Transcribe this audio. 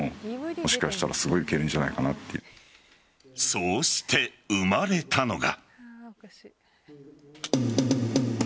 そうして生まれたのが。